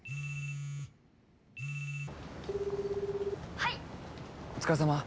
☎はいお疲れさま